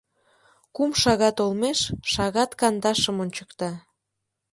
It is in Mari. Кум шагат олмеш, шагат кандашым ончыкта.